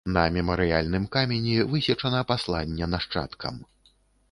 На мемарыяльным камені высечана пасланне нашчадкам.